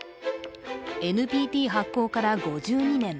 ＮＰＴ発効から５２年。